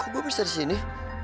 gue bisa di sini